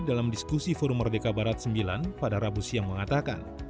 dalam diskusi forum merdeka barat sembilan pada rabu siang mengatakan